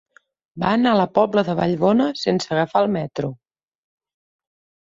Va anar a la Pobla de Vallbona sense agafar el metro.